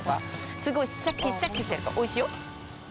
すごいしゃきしゃきしてるからおいしいよ。